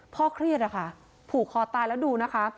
เครียดอะค่ะผูกคอตายแล้วดูนะคะ